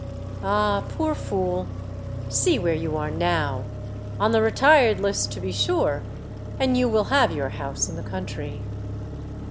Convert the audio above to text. Ah, poor fool, see where you are now ! on the retired list to be sure, and you will have your house in the country